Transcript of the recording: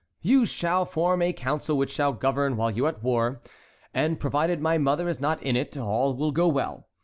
You shall form a council which shall govern while you are at war, and provided my mother is not in it, all will go well.